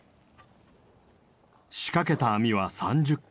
仕掛けた網は３０個。